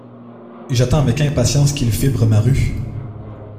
J’attends avec impatience qu’ils fibrent ma rue.